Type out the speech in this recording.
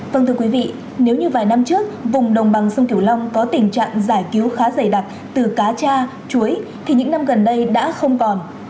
vâng thưa quý vị nếu như vài năm trước vùng đồng bằng sông kiểu long có tình trạng giải cứu khá dày đặc từ cá cha chuối thì những năm gần đây đã không còn